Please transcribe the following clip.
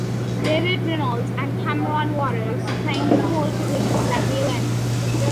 David Reynolds and Cameron Waters claimed pole positions at the event.